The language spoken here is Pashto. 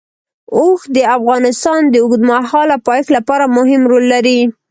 اوښ د افغانستان د اوږدمهاله پایښت لپاره مهم رول لري.